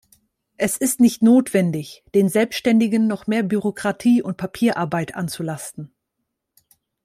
Es ist nicht notwendig, den Selbständigen noch mehr Bürokratie und Papierarbeit anzulasten.